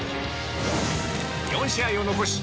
４試合を残し